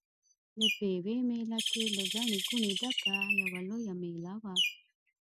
د پېوې مېله له ګڼې ګوڼې ډکه یوه لویه مېله وه.